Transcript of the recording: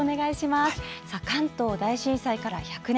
関東大震災から１００年